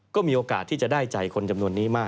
ก็มีโอกาสที่จะได้ใจคนจำนวนนี้มาก